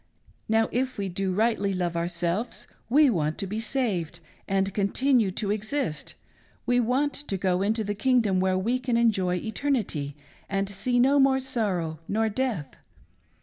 Now if we do rightly love ourselves we want to be saved, and continue to exist, we want to go into the kingdom where we can enjoy eternity, and see no more sorrow nor death.